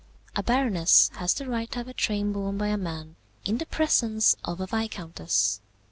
A baroness has the right to have her train borne by a man in the presence of a viscountess.